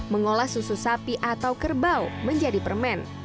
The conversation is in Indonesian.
mengolah susu sapi atau kerbau menjadi permen